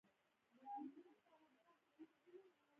رومیان له باران وروسته تازه ښکاري